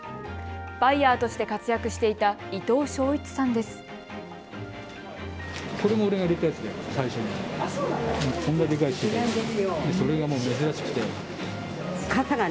バイヤーとして活躍していた伊東章一さんです。